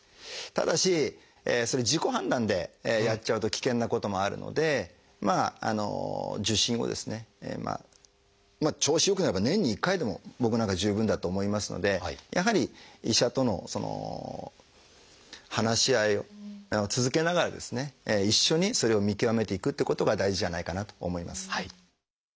ただし自己判断でやっちゃうと危険なこともあるので受診をですね調子良くなれば年に１回でも僕なんかは十分だと思いますのでやはり医者との話し合いを続けながら一緒にそれを見極めていくっていうことが大事じゃないかなと思います。